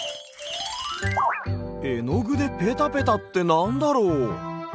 えのぐでペタペタってなんだろう？